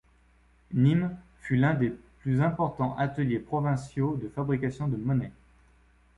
Nîmes fut un des plus importants ateliers provinciaux de fabrication de monnaie.